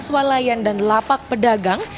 swalayan dan lapak pedagang